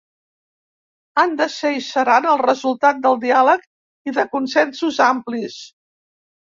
Han de ser, i seran, el resultat del diàleg i de consensos amplis.